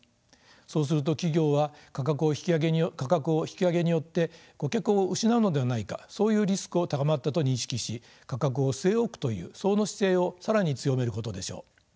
そうすると企業は価格を引き上げによって顧客を失うのではないかそういうリスクを高まったと認識し価格を据え置くというその姿勢を更に強めることでしょう。